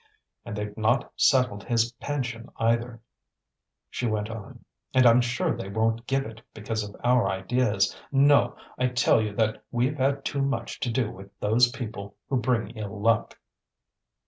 "And they've not settled his pension, either," she went on. "And I'm sure they won't give it, because of our ideas. No! I tell you that we've had too much to do with those people who bring ill luck."